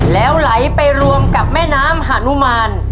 แล้วไหลไปรวมกับแม่น้ำหานุมาน